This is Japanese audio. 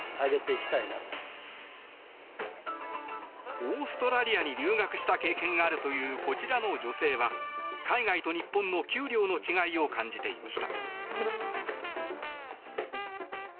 オーストラリアに留学した経験があるというこちらの女性は海外と日本の給料の違いを感じていました。